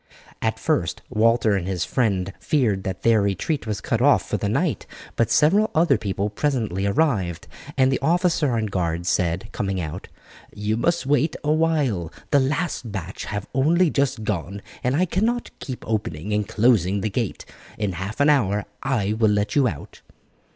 At first Walter and his friend feared that their retreat was cut off for the night, but several other people presently arrived, and the officer on guard said, coming out, "You must wait a while; the last batch have only just gone, and I cannot keep opening and closing the gate; in half an hour I will let you out."